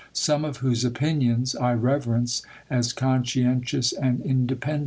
Some of whose opinions I reverence as conscientious and independent ; bir.